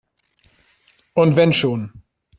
Und wenn schon!